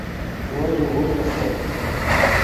وو لیغوز استت